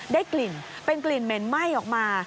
ได้กลิ่นเป็นกลิ่นเหม็นไหม้ออกมา